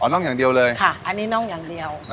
น่องอย่างเดียวเลยค่ะอันนี้น่องอย่างเดียว